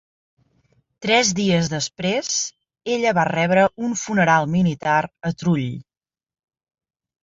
Tres dies després, ella va rebre un funeral militar a Trull.